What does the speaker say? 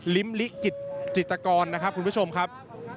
ลิ้มหลีกจิตกรคุณผู้ชมครับ